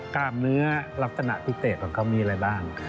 กล้ามเนื้อลักษณะพิเศษของเขามีอะไรบ้าง